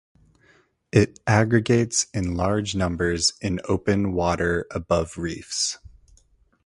It aggregates in large numbers in open water above reefs.